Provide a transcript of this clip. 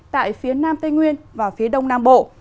tại phía nam tây nguyên và phía đông nam bộ